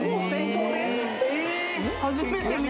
え